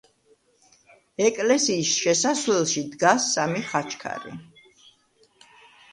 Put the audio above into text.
ეკლესიის შესასვლელში დგას სამი ხაჩქარი.